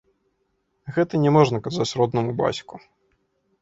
Гэтага няможна казаць роднаму бацьку.